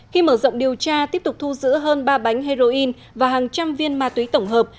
khi mở rộng điều tra tiếp tục thu giữ hơn ba bánh heroin và hàng trăm viên ma túy tổng hợp